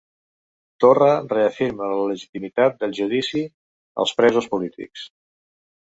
Torra reafirma la legitimitat del judici als presos polítics